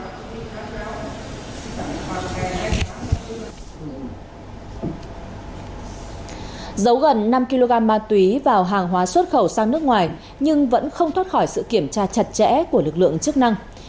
dấn năm kg ma túy vào hàng hóa xuất khẩu sang nước ngoài nhưng vẫn không thoát khỏi sự kiểm tra chặt chẽ của lực lượng chức năng